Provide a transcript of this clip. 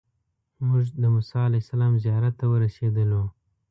موږ د موسی علیه السلام زیارت ته ورسېدلو.